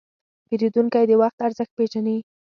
پیرودونکی د وخت ارزښت پېژني.